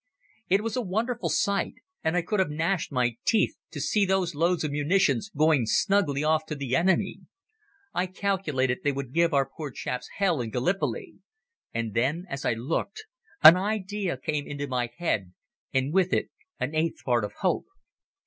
It was a wonderful sight, and I could have gnashed my teeth to see those loads of munitions going snugly off to the enemy. I calculated they would give our poor chaps hell in Gallipoli. And then, as I looked, an idea came into my head and with it an eighth part of a hope.